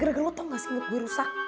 gara gara lo tau gak sih inget gue rusak